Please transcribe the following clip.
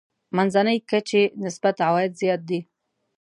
منځنۍ کچې نسبت عوايد زیات دي.